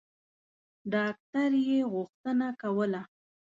ډاکټر یې غوښتنه کوله.